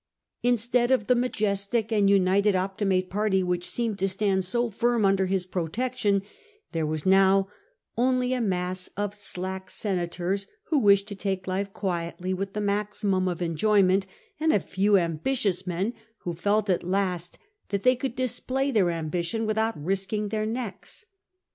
Instead of the majestic and united Optimate party which seemed to stand so firm under his protection, there was now only a mass of slack senators, who wished to take life quietly, with the maximum of enjoyment, and a few ambitious men who felt at last that they could display their ambition without risking their necks.